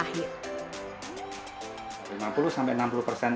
rasa yang akan timbul adalah pahit